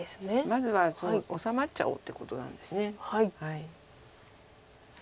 まずは治まっちゃおうっていうことなんです。